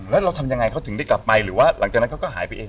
แล้วเราทำยังไงเขาถึงได้กลับไปหรือว่าหลังจากนั้นเขาก็หายไปเอง